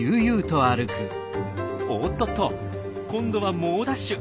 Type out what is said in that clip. おっとっと今度は猛ダッシュ。